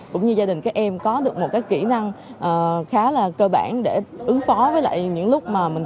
cũng như gia đình các em có được một cái kỹ năng khá là cơ bản để ứng phó với lại những lúc mà mình